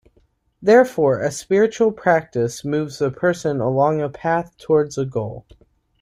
Therefore, a spiritual practice moves a person along a path towards a goal.